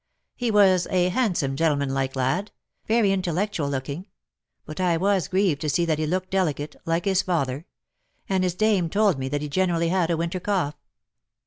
"He was a handsome gentleman like lad — very intellectual looking ; but I was grieved to see that he looked delicate, like his father; and his dame told me that he generally had a winter cough."